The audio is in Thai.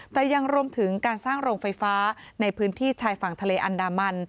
แต่ยังรวมถึงการสร้างโรงไฟฟ้าในพื้นที่ชายฝั่งทะเลอันดามัน